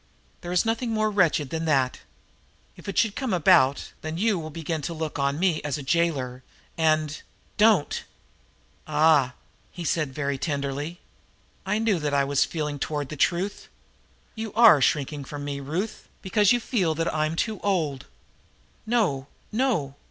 There is nothing more wretched than that. If it should come about, then you will begin to look on me as a jailer. And " "Don't!" "Ah," said he very tenderly, "I knew that I was feeling toward the truth. You are shrinking from me, Ruth, because you feel that I am too old." "No, no!"